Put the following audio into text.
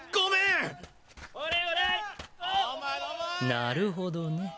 なるほどね。